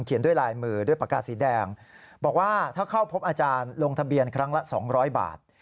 ด้วยลายมือด้วยปากกาสีแดงบอกว่าถ้าเข้าพบอาจารย์ลงทะเบียนครั้งละ๒๐๐บาท